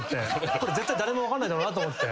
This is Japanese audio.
これ絶対誰も分かんないだろうなと思って。